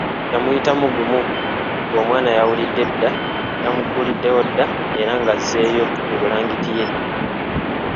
Yamuyitamu gumu nga omwana yawulidde dda, yamuggulidde dda era nga azzeeyo mu bulangiti ye.